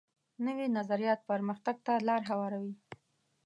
نوی نظریات پرمختګ ته لار هواروي